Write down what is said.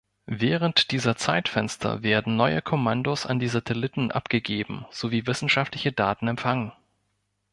Während dieser Zeitfenster werden neue Kommandos an die Satelliten abgegeben sowie wissenschaftliche Daten empfangen.